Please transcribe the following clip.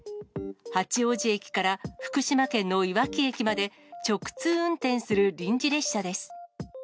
八王子駅から福島県のいわき駅まで、直通運転する臨時列車です。